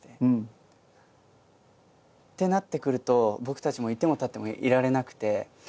ってなってくると僕たちも居ても立ってもいられなくて。